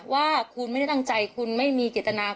ว่าคุณไม่ได้ตั้งใจคุณไม่มีเจตนา